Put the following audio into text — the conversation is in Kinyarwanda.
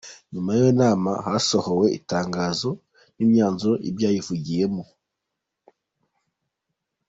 Nyuma y’iyo nama hasohowe itangazo y’imyanzuro y’ibyayivugiwemo.